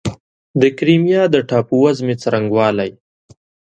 د کریمیا د ټاپووزمې څرنګوالی